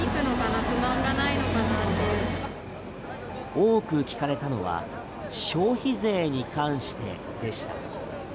多く聞かれたのは消費税に関してでした。